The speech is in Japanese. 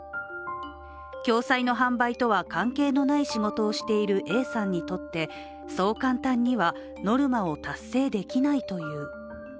共済の販売とは関係のない仕事をしているＡさんにとってそう簡単には、ノルマを達成できないという。